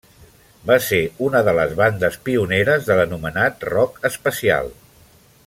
Va ser una de les bandes pioneres de l'anomenat rock espacial.